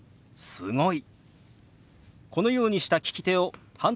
「すごい」。